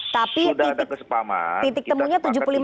tapi titik temunya tujuh puluh lima